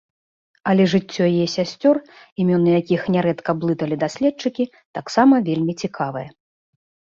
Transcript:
Але жыццё яе сясцёр, імёны якіх нярэдка блыталі даследчыкі, таксама вельмі цікавае.